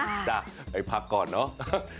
จ้ะไปพักก่อนเนอะ